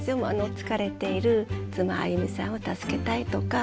疲れている妻あゆみさんを助けたいとか。